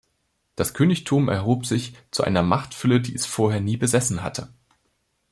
Das Königtum erhob sich zu einer Machtfülle, die es vorher nie besessen hatte.